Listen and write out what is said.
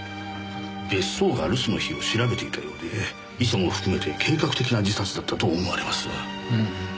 別荘が留守の日を調べていたようで遺書も含めて計画的な自殺だったと思われます。